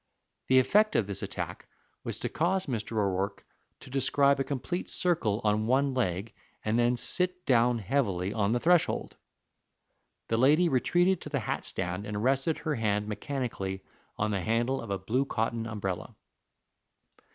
The effect of this attack was to cause Mr. O'Rourke to describe a complete circle on one leg, and then sit down heavily on the threshold. The lady retreated to the hat stand, and rested her hand mechanically on the handle of a blue cotton umbrella.